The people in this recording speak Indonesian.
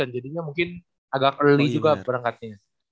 jadinya mungkin agak early juga perangkatnya